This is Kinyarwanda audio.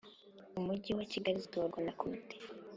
Umujyi wa Kigali zitorwa na Komite